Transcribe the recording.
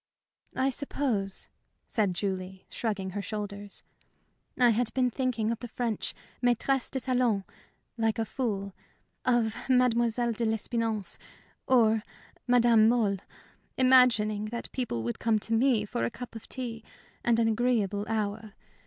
"I suppose," said Julie, shrugging her shoulders, "I had been thinking of the French maîtresses de salon, like a fool; of Mademoiselle de l'Espinasse or Madame Mohl imagining that people would come to me for a cup of tea and an agreeable hour.